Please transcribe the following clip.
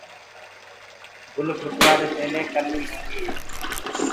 گُل ڦُٽوآدي پيلي ڪلي تيآر هوندي هي۔